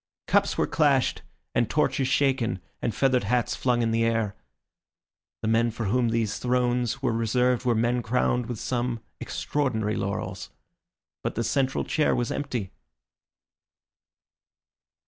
Cups were clashed and torches shaken, and feathered hats flung in the air. The men for whom these thrones were reserved were men crowned with some extraordinary laurels. But the central chair was empty.